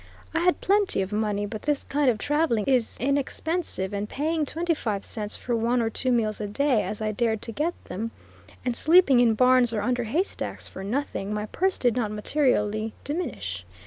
I had plenty of money; but this kind of travelling is inexpensive, and, paying twenty five cents for one or two meals a day, as I dared to get them, and sleeping in barns or under haystacks for nothing, my purse did not materially diminish.